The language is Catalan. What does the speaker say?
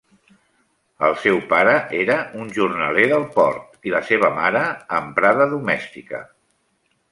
El seu pare era un jornaler del port, i la seva mare emprada domèstica.